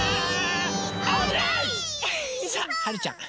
さあはるちゃん